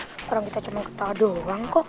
sekarang kita cuma ketawa doang kok